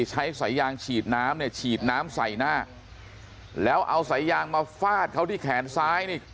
ใช้สายยางฉีดน้ำเนี่ยฉีดน้ำใส่หน้าแล้วเอาสายยางมาฟาดเขาที่แขนซ้ายนี่